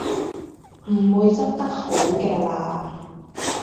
唔會執得好嘅喇